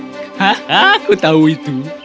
hahaha aku tahu itu